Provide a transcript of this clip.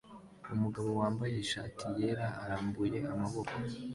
Umugabo wambaye ishati yera arambuye amaboko